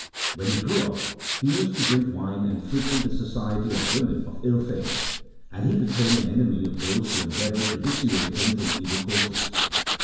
When he grew up he used to drink wine and frequent the society of women of ill fame, and he became an enemy of those who endeavoured to dissuade him from evil courses.